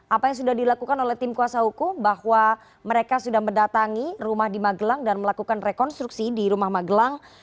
apa yang sudah dilakukan oleh tim kuasa hukum bahwa mereka sudah mendatangi rumah di magelang dan melakukan rekonstruksi di rumah magelang